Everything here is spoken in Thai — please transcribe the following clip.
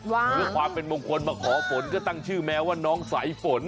เพื่อความเป็นมงคลมาขอฝนก็ตั้งชื่อแมวว่าน้องสายฝน